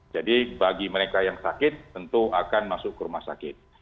jadi bagi mereka yang sakit tentu akan masuk ke rumah sakit